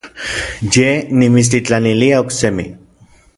Yej nimitstitlanilia oksemi.